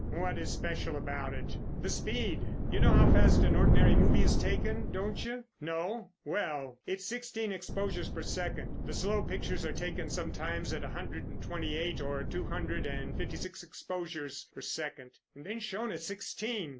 "What is special about it?" "The speed. You know how fast an ordinary movie is taken, don't you? No? Well, it's sixteen exposures per second. The slow pictures are taken sometimes at a hundred and twenty eight or two hundred and fifty six exposures per second, and then shown at sixteen.